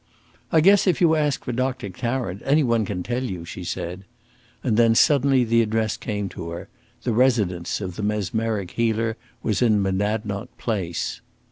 "I guess if you ask for Doctor Tarrant, any one can tell you," she said; and then suddenly the address came to her the residence of the mesmeric healer was in Monadnoc Place.